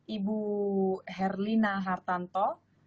ibu herlina hartanto